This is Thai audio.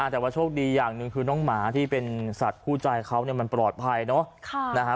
แต่ว่าโชคดีอย่างหนึ่งคือน้องหมาที่เป็นสัตว์คู่ใจเขามันปลอดภัยเนอะ